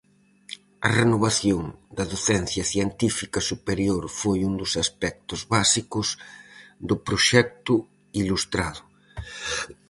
A renovación da docencia científica superior foi un dos aspectos básicos do proxecto ilustrado.